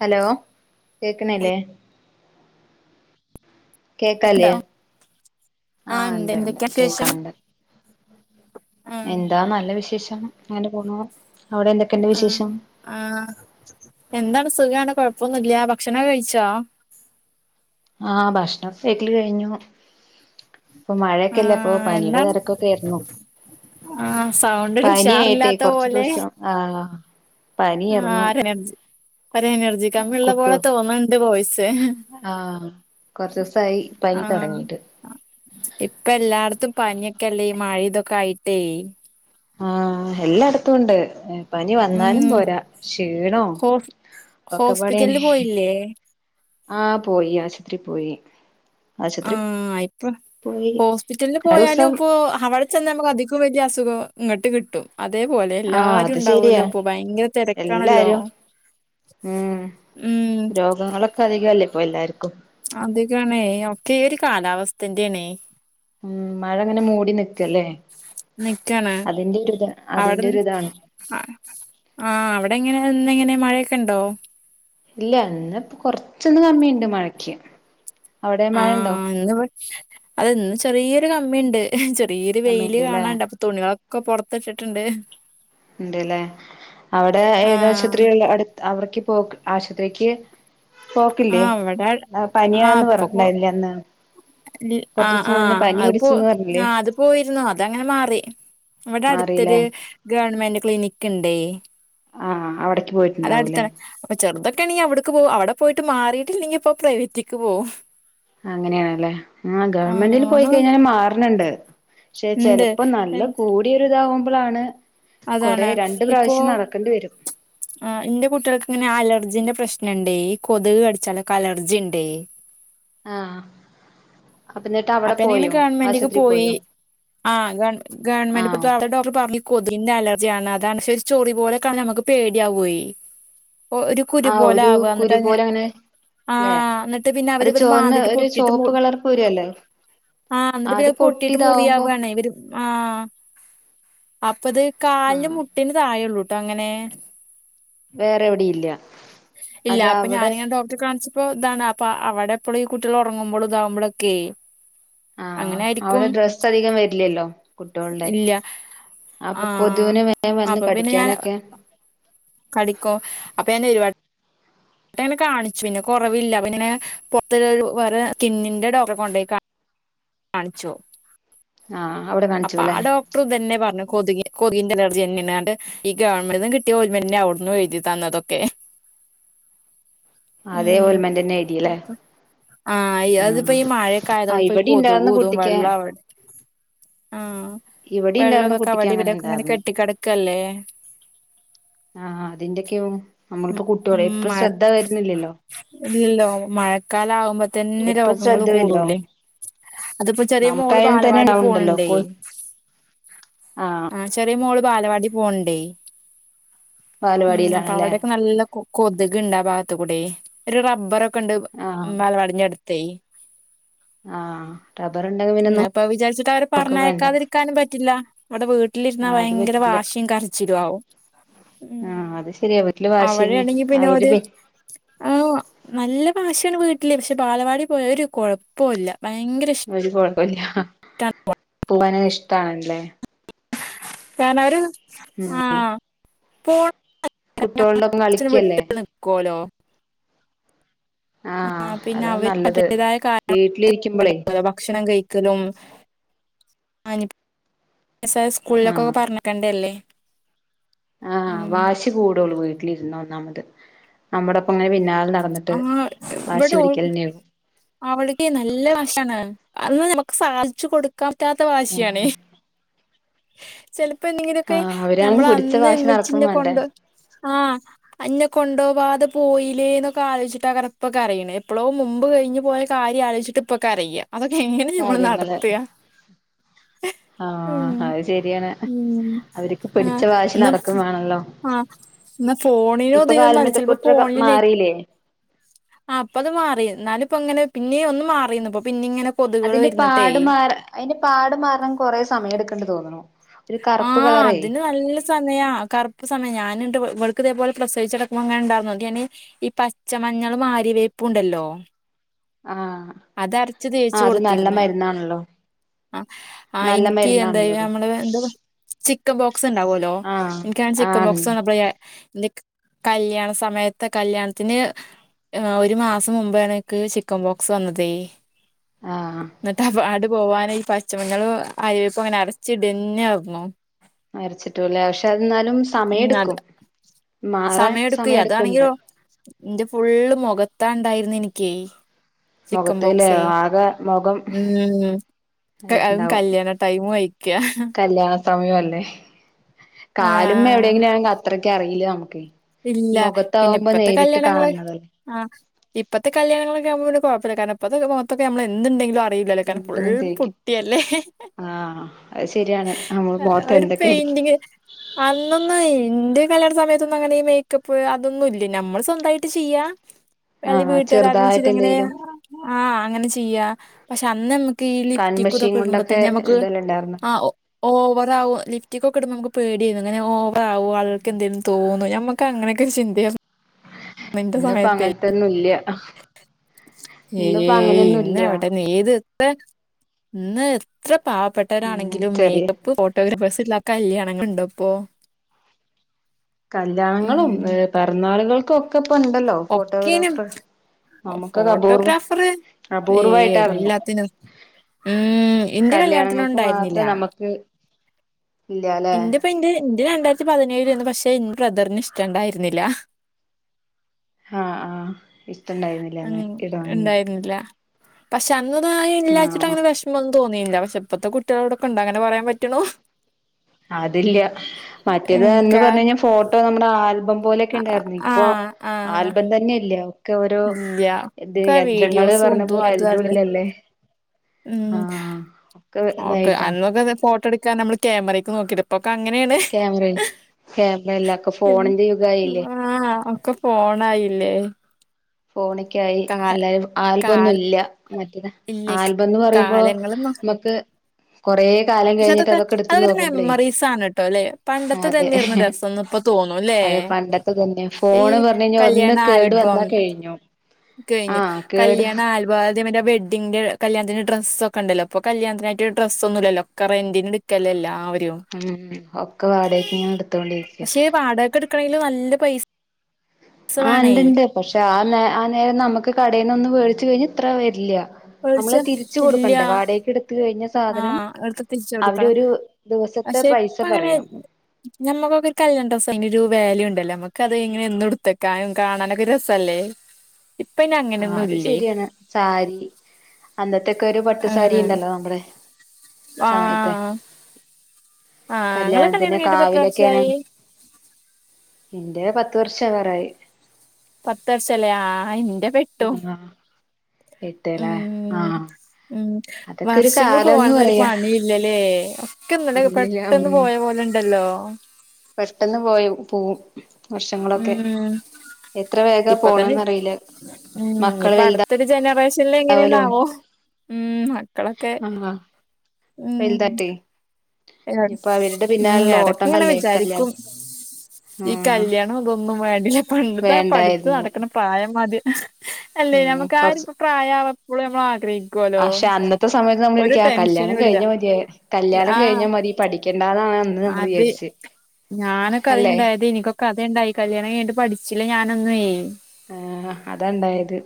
Hello കേക്ണില്ലേ? കേക്കാല്ലേ ആ ആഹ് ഉണ്ട് ഇണ്ട് ണ്ട് എന്തൊക്കെയാ വിശേഷം കേക്കാണ്ട്. ആ എന്താ നല്ല വിശേഷം അങ്ങനെ പോണൂ അവിടെ എന്തൊക്കെണ്ട് വിശേഷം ആഹ് എന്താണ് സുഖാണ് കുഴപ്പൊന്നുംല്ല ഭക്ഷണോകെ കഴിച്ചോ ആഹ് ഭക്ഷനോക്കെയ്ക്കല് കഴിഞ്ഞു ഇപ്പൊ ആ മഴയൊക്കെല്ല ഇപ്പൊ പനിയുടെ എന്താണ് തിരക്കൊക്കെ ആരുന്നു ആ സൗണ്ട് ഒരു പനി ആയിട്ടെ ഉഷാറില്ലാത്ത കുറച്ചു ദിവസം ആഹ് പനിയായിരുന്നു ആരെനർജ് ഒരു എനർജി കമ്മി ഉള്ള കുട്ടു പോലെ തോന്ന്ണ്ട് വോയ്സ് ആഹ് കൊർച്ച്സായി പനി തൊടങ്ങീട്ട് അഹ് ഇപ്പല്ലായിടത്തും പന്യൊക്കെല്ലേ ഈ മഴി തൊക്കായിട്ടേ ആഹ് എല്ലടത്തൂണ്ട് പനി വന്നാലും ഉം പോരാ, ക്ഷീണോ ഹോസ് ഒക്കെപ്പാടേണ് ഹോസ്പിറ്റലില് പോയില്ലേ ആഹ് പോയി ആശുപത്രി പോയി ആശുപത്രി ആഹ് ഇപ്പൊ പോയി ഹോസ്പിറ്റൽല് ദിവസം പോയാലുപ്പോ അവടെ ചെന്നമ്മക്കദിക്കും വല്യസുഖം ഇങ്ങട്ട് കിട്ടും അതേപോലെ ആഹ് അത് ശരിയാ എല്ലാരുണ്ടാവല്ലോപ്പൊ ഭയങ്കര തെരക്കാണല്ലോ എല്ലാരും ഉം രോഗങ്ങളൊക്കെ അധികല്ലേ ഇപ്പൊ എല്ലാര്ക്കും അധികാണേ ഒക്കെ ഈ ഒരു കാലാവസ്ഥൻ്റേണേ ഉം മഴങ്ങനെ മൂടി നിക്കല്ലേ. നിക്കാണ് അതിന്റെ ഒരു ഇത് അവിടെ അതിന്റെ ഒരുതാണ് ആ ആഹ് അവിടെങ്ങനെ ഇന്നെങ്ങനെ മഴക്കെണ്ടോ ഇല്ല, ഇന്ന്പ്പ കൊർച്ചൊന്ന് കമ്മിയുണ്ട് മഴക്ക്, അവിടെയോ മഴ ണ്ടോ ഇന്ന്ബടെ അതെ ഇന്ന് ചെറിയൊരു കമ്മിണ്ട്. ചെറിയൊരു വെയില് കമ്മിയുണ്ട്ല്ലേ കാണാണ്ട്, അപ്പ- തുണികളൊക്കെ പൊർത്തിട്ട്ട്ട്ണ്ട് ഇണ്ട്ല്ലേ, അവടെ ആഹ് ഏതാശുപത്രിയള്ളെ അടു അവട്ക്ക് പോക്ക് ആശ്പത്രീക്ക് ആ പോക്കില്ലേ, അവിടെ ആ പനിയാന്ന് പറഞ്ഞിണ്ടായില്ലെ അന്ന് കൊറച്ച് ആഹ് ദിവസം മുന്നേ ആഹ് പനി അത് പോ പിടിച്ചുന്ന് പറഞ്ഞില്ലേ ആ അത് പോയിരുന്നു, അതങ്ങനെ മാറി വടട്ത്തൊര് മാറില്ലേ ഗവൺമെന്റ് ക്ലിനിക്ക്ണ്ടേ ആഹ് അവിടേക്ക് പോയിട്ടുണ്ടാവൂല്ലേ അതട്ത്താണ് അപ്പ ചെറുതൊക്കേണെങ്കി അവിട്ക്ക് പോവും. അവടെ പോയിട്ട് മാറിയിട്ടില്ലെങ്കിപ്പൊ പ്രൈവറ്റിക്ക് പോവും അങ്ങനെയാണ്ല്ലേ ആ ഗവണ്മെന്റില് ആഹ് പോയിക്കഴിഞ്ഞാലും മാർണ് ണ്ട് പക്ഷെ ഇണ്ട് ചെലപ്പം നല്ല കൂടിയരിതാവുമ്പളാണ് കൊറേ അതാണ് രണ്ട് ഇപ്പോ പ്രാവശ്യം നടക്കണ്ടി വരും ആഹ് ഇന്റെ കുട്ട്യാൾക്ക്ങ്ങനെ അലർജിന്റെ പ്രശ്നണ്ടേയ്.. ഈ കൊത്ക് കടിച്ചാലൊക്കെ അലർജിണ്ടേയ്.. ആഹ് അപ്പ എന്നിട്ട് അവിടെ അപ്പന്നെ ഞാന് പോയോ ഗവൺമെന്റിക്ക് ആശുപത്രി പോയി, പോയോ ആഹ് ഗവൺ ഗവൺമെന്റ്ത്ത ആഹ് അവട്ത്തെ ഡോക് ട്ർ പർഞ്ഞ് കൊതുകിന്റെ അലർജ്യാണ് അതാണ് പക്ഷെ ഒരു ചൊറി പോലെ കാണാ നമുക്ക് പേടിയാവ്യേ ഓ ഒരു കുരു ആ ഒരു പോലാവ്വ്വ, കുരു ന്നട്ടഹ്ങ്ങനെ പോലെ അങ്ങനെ ല്ലേ ആഹ് ന്നട്ട് പിന്നെവരിത് മാന്തിട്ട് പൊട്ടിട്ട് മു കുരു അല്ലേ ആഹ് ന്നട്ടപിന്നഹ് പൊട്ടിട്ട് മുറിയാവാണേ വെര് - ആഹ് അപ്പത് കാലിന്റെ ആഹ് മുട്ടിന് താഴെള്ളൂട്ടങ്ങനെ വേറെവിടി ഇല്ല ഇല്ല അത് അവിടെ അപ്പഞാനിങ്ങനെ ഡോക് റ്റെ കാൺച്ചപ്പോ ഇതാണ്, അപ്പ അവടെപ്പളും ഈ കുട്ട്യളൊറങ്ങുമ്പളും താവുമ്പളൊക്കേയ് ആഹ് അവിടെ ഡ്രസ്സധികം വരില്ല്യല്ലോ കുട്ട്യോളുടെ ഇല്ല അപ്പൊ ആഹ് കൊതുവിന് വേം വന്ന് കടിക്കാനൊക്കെ കടിക്കു, അപ്പ ഞാനൊരുവ ട്ടങ്ങനെ കാണിച്ചു, പിന്നെ കൊറവില്ല. അപ്പ ഇങ്ങനെ പൊർത്ത്‌ വേറെ സ്കിന്നിന്റെ ഡോക്ടറെ കൊണ്ടോയി കാ കാണിച്ചു ആഹ് അവിടെ അപ്പാ കാണിച്ചുല്ലേ ഡോ ട്റു തന്നെ പർഞ്ഞെ കൊതുകി കൊതുകിന്റെ അലർജ്ജ്യെന്നേണ് ന്നട്ട് ഈ ഗവണ്മെന്റ്ന്ന് കിട്ട്യ ഓൽമെന്റന്നെ ഔട്ന്നു എഴുതി തന്നതൊക്കെ അതേ ഉം ഓൽമെന്റെന്നെഴ്‌തീ ലേ ആഹ് യതിപ്പൊ ഈ ആഹ് മഴക്കായതോണ്ട് പ്പൊഈ ഇവിടെ ഇണ്ടായിർന്നു കൊതുകു തും കുട്ടിക്ക് വെള്ള അവ ആഹ് ഇവിടെ വെള്ളൊ ഇണ്ടായിരുന്നു തൊക്കെ കുട്ടിക്ക് അവടെ അങ്ങനെ വിടെക്കെങ്ങനെ ഇണ്ടായിരുന്നു കെട്ടിക്കിടക്കല്ലേ.. ആഹ് അതിന്റെക്കെയാവും ഉം നമ്മളിപ്പോ കുട്ട്യോളെ ഉം എപ്പഴും മഴ ശ്രദ്ധ വരുന്നില്ലല്ലോ ഇല്ലല്ലോ മഴക്കാകുമ്പോത്തന്നെ എപ്പഴും രോഗങ്ങള് ശ്രദ്ധ വരില്ലോ കൂടൂലേ അത്പ്പോ ചെറിയ മോള് നമുക്കായാലും തന്നെ ബാലവാടി ഉണ്ടാവുണ്ടല്ലോ കൊ പോണണ്ടേയ് ആഹ് ആ ചെറിയ മോള് ബാലവാടി പോണ് ണ്ടെയ് ഉം അപ്പൊ ബാലവാടിയിലാണല്ലേ അവിടെക്കെ നല്ല കൊതുക് ണ്ടാ ഭാഗത്ത് കൂടെയ് ഒരു റബ്ബറൊക്കെ ണ്ട് ആഹ് ബാലവാടിന്റെടുത്തേയ് ആഹ് റബർ ഇണ്ടെങ്ക്മു ഇന്നപ്പൊത് വിചാരിച്ചിട്ട വരെ പറഞ്ഞയക്കാതിരിക്കാനും പറ്റില്ല ഇവിടെ വീ ട്ടിലിരുന്നാ ആഹ് അത് വയങ്കര പറ്റില്ല വാശിയും കരച്ചിലു ആവും ഉം ആഹ് അത് ശെരിയാ വീട്ടില് വാശീന്നെ അവിടെയാണെങ്കി പിന്നെ അവര് ഓര് ആ നല്ല ബാശിയാണ് വീട്ടില് പക്ഷെ ബാലവാടി പോയാ ഒരു കൊഴപ്പൊല്ല ഭയങ്കര ഇഷ് ഒരു കുഴപ്പല്ല. പോവാന് ഇഷ്ട്ടാണല്ലേ കാരണ വര് ഉം [unintelligible] ഫോട്ടട്ക്കാൻനമ്മള് കുട്ടികളോടൊപ്പം ച്ചിരി കളിക്കല്ലേ വിട്ട് നിക്കോലോ ആ ആഹ് പിന്നെ അതാ അവര് നല്ലത് അതിന്റെതായ കാരണം [unintelligible] വീട്ടിലിരിക്കുമ്പളേ ഭക്ഷണം കഴി ക്കലും ആ ഇഞ്ഞിപ്പം [inaudible] വയസായ സ്കൂളിലൊക്ക ആഹ് പറഞ്ഞക്കണ്ടെല്ലേ ആഹ് വാശി കൂടുള്ളൂ വീട്ടിലിരുന്നാ ഒന്നാമത്. നമ്മടെപ്പ ങ്ങനെ പിന്നാലെ നടന്നിട്ട് ആഹ് വാശി പിടിക്കലെന്നെവും അവള്ക്കെയ് നല്ല വാശിയാണ് അതൊന്നു ഞമ്മക്ക് സാധിച്ചു കൊടുക്ക ക്കാൻ പറ്റാത്ത ഉം വാശിയാണേയ് ചെലപ്പൊ ന്നെങ്ങിലൊക്കെ ആഹ് അവരാണെങ്കി പിടിച്ച വാശി നടക്കും ഞമ്മളന്ന്മ്മച്ചിന്നെ വേണ്ടേ കൊണ്ടോ ആഹ് അന്നെ കൊണ്ടോവാതെ പോയിലേ ന്നൊക്ക്‌ ക്കാലോയ്ച്ച്ട്ടാക്കരം ഇപ്പ കരയണെ എപ്പളോ മുമ്പ് കയിഞ്ഞു പോയ കാര്യലോയിചിട്ട്പ്പ കരയാ അതൊക്കെ എങ്ങനെ ഞമ്മള് കാര്യങ്ങള് നടത്താ ആഹ് അഹ് ശരിയാണ്. അവര്ക്ക് പിടിച്ച ആഹ് വാശി എന്നാ നടക്കും വേണല്ലോ ആഹ് എന്നാ ഫോണിനും ഇപ്പൊ ഒതുങ്ങുന്നല്ല കാൽമ്മത്തെ ചെലപ്പോ ക്കുട്ട്രോക്കെ മാറീലെ ആ ഇപ്പത് മാറി എന്നാലുപ്പ ങ്ങന പിന്നെയു ഒന്ന് മാറീന്നു പ്പ പിന്നീങ്ങനെ അതിന്റെ പാട് മാറ അയിന്റെ പാട് മാറാൻ കൊറെ സമയ ടുക്കേണ്ടന്ന് തോന്നുണു ആഹ് അതിന് നല്ലസ് സമയാ കറപ്പ് സമയാ ഞാനിണ്ട് വ വൾക്ക് ഇതേ പോലെ പ്രസവിച്ചെടക്ക്മ്പൊ ങ്ങനെ ണ്ടാവും ന്നട്ട് ഞാന് ഈ പച്ചമഞ്ഞളും ആര്യവേപു ണ്ടല്ലോ ആഹ് അതരച്ച് തേച്ചു ആഹ് അത് നല്ല കൊടുത്തിര്ന്ന് മരുന്നാണല്ലോ അ ആ നല്ല എനിക്ക് മരുന്നാണല്ലോ എന്തായ അത് നമ്മള എന്താപ ചിക്കബോക്സ് ണ്ടാവുലോ ആഹ് എനിക്കാണ് ആണ് ചിക്കബോക്സ് വന്നപ്പളെ ഇന്നെ ക്ക്‌ കല്യാണ സമയത്ത് കല്യാണത്തിന് ആ ഒരു മാസം മുമ്പാണ് എനിക്ക് ചിക്കൻ ബോക്സ് വന്നതേയ് ആഹ് ഇന്ന്ട്ട്അവ് ആ പാട് പോവാന് ഈ പച്ചമഞ്ഞളും ആര്യ വേപ്പു ങ്ങനെ അരച്ചിടെന്നേർന്നു അരച്ചിട്ടുലേ പക്ഷെ അത് ന്നാലും ഉം അത് സമയെടുക്കും മാറാൻ സമയം എടുക്കുവേ സമയെടുക്കുംണ്ട് അതാണെങ്കിലോ ഇന്റെ ഫുള്ള് മുഖത്താ ണ്ടായിരുന്നെ നിക്കേയ് ചിക്കൻ മുഖത്തിലെ ബോക്സേഉം ആകെ മുഖം ഉം ഉം ക അഉം ഇതായിട്ടുണ്ടാവും കല്യാണ ടൈമു ആയ്ക്കാ സമയ അല്ലേ കാലുമ്മേ ആഹ് എവിടെങ്കിലെയാണെങ്കി അത്രക്ക്‌ അറിയില്ല നമുക്കെ ഇല്ല മുഖത്താകുമ്പോ നേരിട്ട് കാണ് ണത് ആ ഇപ്പത്തെ കല്യാണൊക്ക ആകുമ്പൊ പിന്നെ കുഴപ്പല്ല കാരണം ഇപ്പത്തെ മൊഖത്തൊക്കെ നമ്മള് എന്തുണ്ടെങ്കിലും അറിയില്ലല്ലോ കാരണം ഫുൾ എന്തിനും തേക്കും പുട്ടിയല്ലേ ആഹ് അത് ശെരിയാണ് നമ്മള് മുഖത്ത് എന്തൊക്കെയടിക്കും അന്നൊന്ന്വേ ഇന്റെ കല്യാണ സമയത്തൊന്നും ന്നും അങ്ങനെ ഈ മേക്കപ്പ് അതൊന്നും ഇല്ല നമ്മള് സ്വന്തമായിട്ട് ചെയ്യാ അല്ലേ ആഹ് വീട്ടുകാര് ആരേലും ചെറുതായിട്ട് ച്ചിരിഅങ്ങനെ എന്തെലും ആഹ് അങ്ങനെ ചെയ്യാ പക്ഷെ അന്ന് അമ്മ ഈ കൺമഷീൻ ലിഫ്റ്റിക്കുതൊക്കെ കൊണ്ടൊക്കെ ഇടുമ്പോത്തന്നെ നമ്മുക്ക് എഴുതലുണ്ടായിരുന്നു ആ ഓ ഓവറാവോ ലിഫ്റ്റിക്കൊക്കെ ഇടുമ്പോ നമുക്ക് പേടി ആയിരുന്നു ഇങ്ങനെ ഓവറ് ആവുവോ ആള്കൾക്കെന്തെലും തോന്നുവോ ഞമ്മക്ക് അങ്ങനെക്കെയൊക്കെ ഒരു ചിന്തയാര്ന്ന് ഇന്നിപ്പ അങ്ങനത്തൊന്നും ഇല്ല്യാ ഏയ് ഇന്ന് ഇല്ല എവിടെന്ന് ഏത് [unintelligible] ഇന്ന് എത്ര പാവപ്പെ ഉം ട്ടവരാണെങ്കിലും ചെറിയ മേക്കപ്പ് ഫോട്ടോഗ്രാഫേഴ്സ് ഇല്ലാ കല്യാണങ്ങള് ഇണ്ടോ ഇപ്പോ കല്യാണങ്ങളും ഉം ഏ പെറന്നാളുകൾക്കും ഒക്കെ ഇപ്പൊ ഒണ്ടല്ലോ ഒക്കേനും ഫോട്ടോഗ്രാഫറ് നമുക്കത് അപൂർവം ഫോട്ടോഗ്രാഫർ ഏ അപൂർവ്വായിട്ടാർന്നു എല്ലാത്തിനും ഉം എന്റെ കല്യാണത്തിനും കല്യാണങ്ങൾക്ക് ഉണ്ടായിരുന്നില്ല മാത്രേ നമുക്ക് ഇല്ലാല്ലേ എന്റെപ്പന്റെ ഇന്റെ രണ്ടായിരത്തി പതിനേഴിൽ ആയിരുന്ന് പക്ഷെ എന്റെ ബ്രദറിന് ഇഷ്ട ഇണ്ടായിരുന്നില്ല ഹാ ആഹ് ഇഷ്ടണ്ടായിരുന്നില്ല അന്ന് ഇടാന് ഇല്ല പക്ഷെ അന്ന് ഇതായില്ലാച്ചിട്ട് ആഹ് അങ്ങനെ വെഷ് മം ഒന്നും തോന്നിയില്ല പക്ഷെ ഇപ്പത്തെ കുട്ടികളോട് ഒക്കെ ഒണ്ടാ അങ്ങനെ പറയാൻ പറ്റുണൂ അതില്ല മറ്റേത് എങ്ക എന്ന് പറഞ്ഞു കഴിഞ്ഞാൽ ഫോട്ടോ നമ്മുടെ ആൽബം പോലൊക്കെ ഇണ്ടായിരുന്നു ഇപ്പൊ ആഹ് ആഹ് ആൽബം തന്നെയില്ല്യാ ക്കെ ഓരോ ഇല്ല ഇത് ഒക്കെ യന്ത്രങ്ങള് വീഡിയോസും പറഞ്ഞ ഇതും പോലെ അതും അതിന്റെ അല്ലേ ഉള്ളിലല്ലേ ഉം ആഹ് ഒക്കെ ഓക്കെ ഇതായിട്ടാ അന്നൊക്കെ ഫോട്ടോ എടുക്കാൻ നമ്മള് ക്യാമറക്ക് നോക്കിട്ട് ഇപ്പൊക്കെ അങ്ങനെയാണ് ക്യാമറ ക്യാമറ എല്ല ഒക്കെ ഫോണിന്റെ യുഗായില്ലേ ആ ഒക്കെ ഫോണായില്ലേ ഫോണക്കെ ആയി കാൽ എല്ലാരും ആൽബം കാൽ ഒന്നുല്ല മറ്റേത് ഇല്ലേ ആൽബം എന്ന് പറയുമ്പോ കാലങ്ങള് മാ മ്മ ക്ക്‌ കൊറേ കാലം പക്ഷെ കഴിഞ്ഞിട്ട് അതൊക്കെ എടുത്ത് ഒരു നോക്കുമ്പളേ മെമ്മറീസ് ആണ് കേട്ടോ അല്ലെ പണ്ടത്തെ അതെ തന്നെയായിരുന്നു രസംന്ന് ഇപ്പൊ തോന്നും അല്ലേ അതെ പണ്ടത്തെ തന്നെ ഈ ഫോൺ പറഞ്ഞ് കഴിഞ്ഞാൽ ഒന്ന് കല്യാണ കേടു വന്നാ ആൽബം കഴിഞ്ഞു കഴിഞ്ഞു ആഹ് കേട് കല്യാണ ആൽ വാദ്യമിന്റെ വെഡിങ്ങിന്റെ കല്യാണത്തിന്റെ ഡ്രസ്സ് ഒക്കെ ഉണ്ടല്ലോ ഇപ്പ കല്യാത്തിനായിട്ട് ഡ്രസ്സൊന്നുല്ലല്ലോ ഒക്കെ റെന്റിന് എട് ക്കലെല്ലാവരും ഉം ഒക്കെ വാടകക്ക് ഇങ്ങനെ എടുത്തോണ്ടിരിക്കയ കയ്യില് നല്ല പൈസ ആ വേണേ ഇണ്ടിണ്ട് പക്ഷെ ആ നേ ആ നേരം നമ്മുക്ക് കടേന്നൊന്ന് വേടിച്ച് കഴിഞ്ഞ ഇത്ര വരില്യ മേടിച്ച നമ്മള് തിരിച്ച് ഇല്ല കൊടുക്കണ്ടേ വാടകക്ക് എടുത്ത് കഴിഞ്ഞാ സാധനം ആഹ് എടുത്ത് തിരിച്ചു അവര് കൊടുക്കണം ഒരു ദിവസത്തെ പൈസ പറയും നമ്മുക്കൊക്കെ ഒരു കല്യാണം ഡ്രസ്സ് അയിനൊരു വാല്യുണ്ടല്ലേ അമ്മുക്കത് ഇങ്ങനെ എന്ന് എടുത്തക്കാനും കാണാനൊക്കെ ഒരു രസം അല്ലേ [inaudible] ആ അത് ശരിയാണ് സാരി അന്നത്തെക്കൊരു പട്ട് സാരി ആഹ് ഇണ്ടല്ലോ മ്പടെ സമയത്തെ ആഹ് ആഹ് ഇങ്ങളെ കല്യാണം കല്യാണത്തിന് കഴിഞ്ഞിട്ട് ഇപ്പ എത്ര കാവിലൊക്കെയാണ് വർഷായി ഇന്റെ പത്ത് വർഷം ആവാറായി പത്ത് വർഷല്ലേ ആ ഇന്റെ പ്പട്ടും ആഹ് ഉം ഇട്ടേല്ലേ ആഹ് ഉം അതൊക്കെ ഒരു വർഷങ്ങൾ കാലംന്ന് പോകാനൊന്നും ഒരു പറയാ പണിയില്ലല്ലേ ഒക്കെന്നലെ ഇല്ലില്ല പെട്ടന്ന് ഉം പോയ പോലെ ഇണ്ടല്ലോ പെട്ടെന്ന് പോയി പോവും വർഷങ്ങളൊക്കെ ഉം എത്ര വേഗ ഇപ്പൊ തന്നെ പോണ്ന്ന്റിയില്ല മക്കൾ വൽതാ അട്ത്തൊരു ജനറേഷനിൽ എങ്ങനെന്നാവോ ഉം മ ക്കളൊക്കെ ആഹ് ഉം വലുതായിട്ടെ ഇനിയിപ്പോ അവരുടെ ഉം പിന്നാലുള്ള എടക്ക് ഇങ്ങനെ ഓട്ടങ്ങളല്ലേ വിചാരിക്കും കല്യാണം ഈ ആഹ് കല്യാ ണം ഇതൊന്നും വേണ്ടില്ല പണ്ടത്തെ പഠിച്ചു വേണ്ടായിരുന്നു നടക്കണ പ്രായം മതി അല്ലെ ഉം നമുക്ക് കൊറച്ച് ആരിപ്പോ പ്രായം എപ്പളും നമ്മൾ ആഗ്രഹിക്കുല്ലോ. ഇത്ര സമയത്ത് നമ്മളിരിക്ക ആ കല്യാണം കഴിഞ്ഞ മതിയാ കല്യാണം ആഹ് കഴിഞ്ഞാ മതി പഠിക്കേണ്ടാന്നാണ്ന്ന് നമ്മൾ അത് വിചാരിച്ച. ഞാനൊക്കെ അതിണ്ട കഥയ്ണ്ടായി കല്യാണം കഴിഞ്ഞിട്ട് പഠിച്ചില്ല ഞാനൊന്നൊയ് ആഹ് അതണ്ടായത്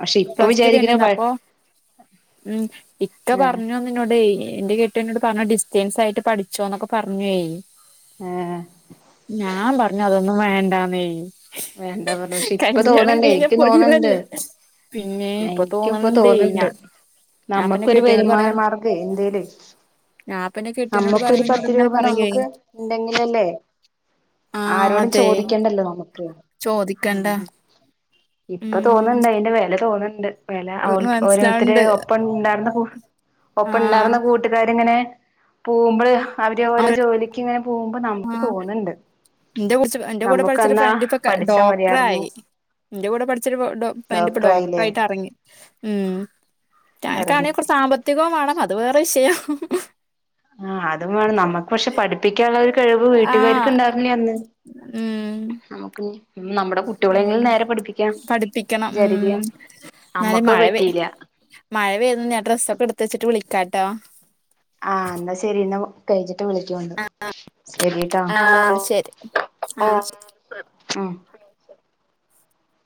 പക്ഷെ ഇപ്പൊ പ്ലസ് ടു വിചാരിക്ക്നെ കഴിഞ്ഞിരുന്നു പ അപ്പൊ ഉം ഇക്ക ആഹ് പർഞ്ഞു അന്ന് ഇന്നോടയ് എന്റെ കെട്ട്യോൻ ന്നോട് പർഞ്ഞു ഡിസ്റ്റൻസ് ആയിട്ട് പഠിച്ചോന്നൊക്കെ പർഞ്ഞൊയ് ആഹ് ഞാൻ പർഞ്ഞു അതൊന്നും വേണ്ടാന്നേയ് വേണ്ടാ പർഞ്ഞു പക്ഷെ ഇപ്പ തോന്ന്ണ്ടയ് കഴിഞ്ഞ ഇക്ക്യ് തോന്ന്ണ്ട്. പൊലിവല്ലേ പിന്നെ എനിക്കും ഇപ്പൊ തോന്നണുണ്ട് തോന്ന്ണ്ട് ഞാ ഞാൻപ്പന്റെ നമ്മക്കൊരു കെട്ടിയോനോട് വരുമാന പറഞ്ഞു മാർഗെയ് എന്തേലൊയ് ഞാൻപ്പന്റെ കെട്ടിയോനോട് നമ്മുക്കൊരു പറയുമ്പോ എന്നോട് പത്ത് ഇങ്ങനെ രൂപ പറയുവേ നമുക്ക് ഇണ്ടെങ്കിലല്ലേ ആ ആരോടും അതെ ചോദിക്കണ്ടല്ലോ നമുക്ക്. ചോദിക്കണ്ട ഇപ്പൊ ഉം തോന്ന്ണ്ട് അയ്ന്റെ വെല തോന്ന്ണ്ട് വെല ഓൽ ഓരോരുത്തര് മനസ്സിലാവണ്ട് ഒപ്പണ്ട കൂ ആ ഒപ്പംണ്ടാർന്ന കൂ ട്ടുകാർങ്ങനെ പോകുമ്പള് അവര് ഓരോ ജോലിക്ക്ങ്ങനെ പോകുമ്പോ നമുക്ക് തോന്ന്ണ്ട് ഇന്റെ കുട്ച്ച് എന്റെ കൂടെ പഠ്ച്ചരു നമുക്കന്നാ ഫ്രണ്ട് ഇപ്പൊ ക പഠിച്ചാ മതിയായിരുന്നു ഡോക്ടറായി. ഇന്റെ കൂടെ പഠ്ച്ചരു പ്പൊ ഡോ ഫ്രണ്ട് പ്പൊ ഡോക്ടറായില്ലേ ഡോക്ടറായിട്ട് എറങ്ങി. ഉം [unintelligible] എറങ്ങി കാണങ്കി കൊർച്ച് സാമ്പത്തികം വാണം അത് വേറെ വിഷയം ആ അതും വേണം നമ്മക്ക് പക്ഷെ പഠിപ്പിക്കാള്ള ഒരു കഴിവ് വീട്ടുകാർക്ക് ആഹ് ഉണ്ടാർന്നില്ല അന്ന്. ഉം നമുക്ക് നമ്മുടെ കുട്ടികളെങ്കിലും അങ്ങനെ നേരെ പഠിപ്പിക്കാം പഠിപ്പിക്കണം വിചാരിക്ക. ഉം എന്നാല് അമ്മക്ക് അത് മഴ പറ്റിയില മഴ പെയ്യുന്ന ഞാ ഡ്രസ്സൊക്കെടുത്തച്ചിട്ട് വിളിക്കാട്ടോ? ആഹ് ന്നാ ശരി ന്നാ [unintelligible] ച്ചിട്ട് വിളിക്കോണ്ട് ശരിട്ടാ ആഹ് ശരി ആഹ് ഉം